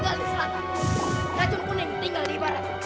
kau telah melakukan banyak hal yang tidak berhasil